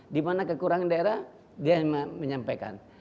di mana kekurangan daerah dia menyampaikan